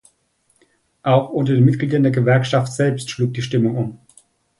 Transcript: Auch unter den Mitgliedern der Gewerkschaft selbst schlug die Stimmung um.